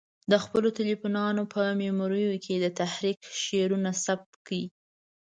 د خپلو تلیفونو په میموریو کې د تحریک شعرونه ثبت کړي.